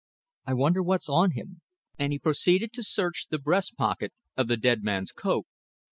"I wonder what's on him?" and he proceeded to search the breast pocket of the dead man's coat.